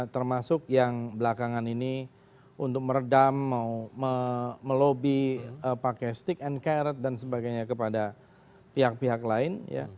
termasuk yang belakangan ini untuk meredam melobi pakai stick and carrot dan sebagainya kepada pihak pihak lain